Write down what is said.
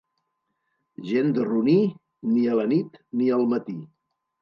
Gent de Roní, ni a la nit ni al matí.